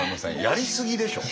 やりすぎでしょ。